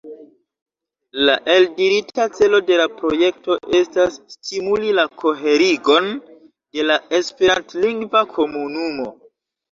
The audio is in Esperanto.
La eldirita celo de la projekto estas "stimuli la koherigon de la esperantlingva komunumo".